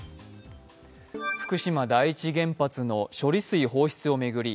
福島第一原発の処理水放出を巡り